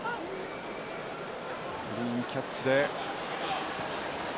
クリーンキャッチで。